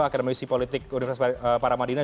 akademi usi politik universitas paramadina